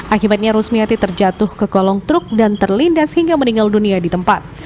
akibatnya rusmiati terjatuh ke kolong truk dan terlindas hingga meninggal dunia di tempat